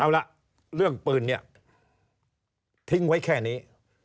เอาละเรื่องปืนเนี่ยทิ้งไว้แค่นี้